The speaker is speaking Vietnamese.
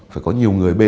phải có nhiều người b